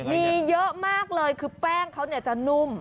มีเยอะมากเลยคือแป้งเขาจะนุ่ม